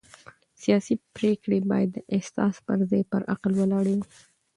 سیاسي پرېکړې باید د احساس پر ځای پر عقل ولاړې وي